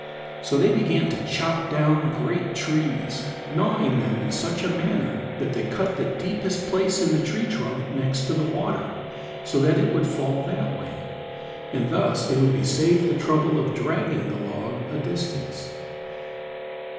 So they began to chop down great trees, gnawing them in such a manner that they cut the deepest place in the tree trunk next to the water, so that it would fall that way, and thus they would be saved the trouble of dragging the log a distance.